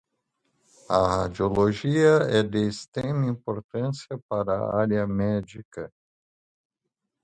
A radiologia é de extrema importância para a área médica